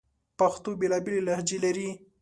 پښتو بیلابیلي لهجې لري